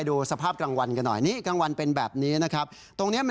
ด่ามากมายมหาศาลนะฮะ